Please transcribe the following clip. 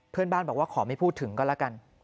เพื่อนบ้านบอกว่าขอไม่พูดถึงก็แล้วกัน